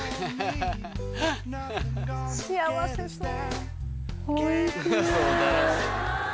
幸せそう。